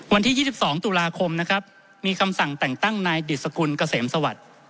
วันที่๒๒ตุลาคมนะครับมีคำสั่งแต่งตั้งนายดิสกุลเกษมสวัสดิ์